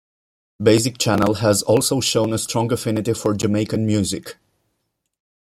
Basic Channel has also shown a strong affinity for Jamaican music.